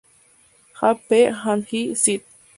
Hall P. and I. Cit.